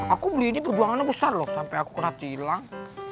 aku beli ini perjuangannya besar loh sampai aku kena tilang